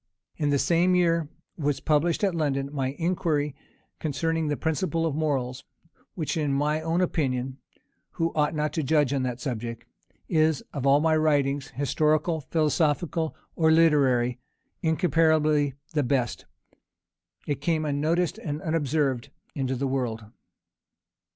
In the same year was published, at London, my Inquiry concerning the Principles of Morals; which, in my own opinion, (who ought not to judge on that subject,) is, of all my writings, historical, philosophical, or literary, incomparably the best, It came unnoticed and unobserved into the world.